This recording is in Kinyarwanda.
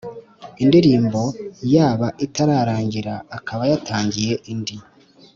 indirimbo, yaba itararangira akaba yatangiye indi